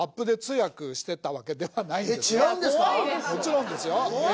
もちろんですよ。